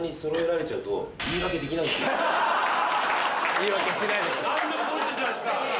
言い訳しないでください。